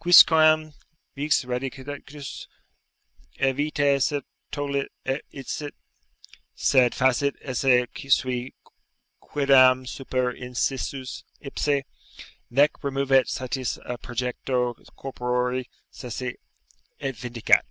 "Quisquam Vix radicitus e vita se tollit, et eicit; Sed facit esse sui quiddam super inscius ipse, Nec removet satis a projecto corpore sese, et Vindicat."